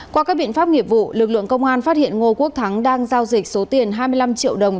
qua các biện pháp nghiệp vụ lực lượng công an phát hiện ngô quốc thắng đang giao dịch số tiền hai mươi năm triệu đồng